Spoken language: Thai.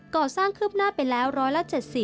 ก่อสร้างคืบหน้าไปแล้วร้อยละ๗๐